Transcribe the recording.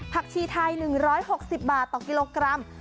ชีไทย๑๖๐บาทต่อกิโลกรัม